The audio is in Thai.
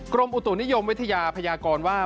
กรมอุตุนิยมวิทยาพยากรว่า